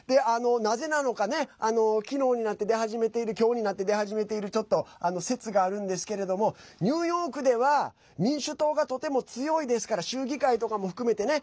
なぜなのか昨日になって出始めている今日になって出始めている説があるんですけれどもニューヨークでは民主党がとても強いですから州議会とかも含めてね。